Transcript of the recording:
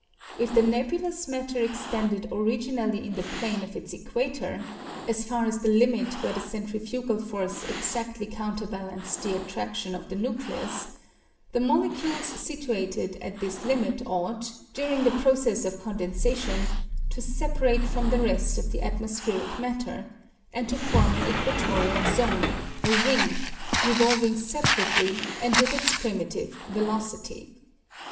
If the nebulous matter extended originally in the plane of its equator, as far as the limit where the centrifugal force exactly counterbalanced the attraction of the nucleus, the molecules situate at this limit ought, during the process of condensation, to separate from the rest of the atmospheric matter and to form an equatorial zone, a ring, revolving separately and with its primitive velocity.